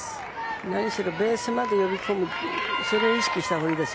何しろベースまで呼び込むのを意識したほうがいいです。